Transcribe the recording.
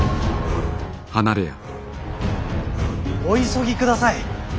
お急ぎください。